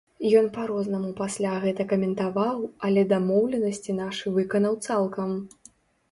Ён па-рознаму пасля гэта каментаваў, але дамоўленасці нашы выканаў цалкам.